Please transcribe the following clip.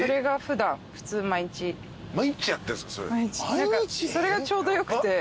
何かそれがちょうどよくて。